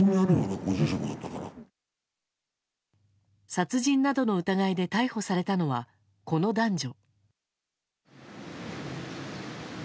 殺人などの疑いで逮捕されたのは、この男女。